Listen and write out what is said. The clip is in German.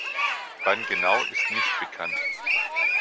Wann genau, ist nicht bekannt.